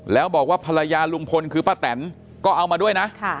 แล้วบอกว่าภรรยาลุงพลคือป้าแตนก็เอามาด้วยนะ